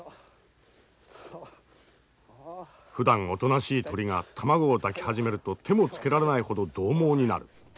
ふだんおとなしい鳥が卵を抱き始めると手もつけられないほどどう猛になる。